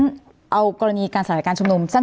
นี้เออกรณีการสถาดาการชุมนวมชั้น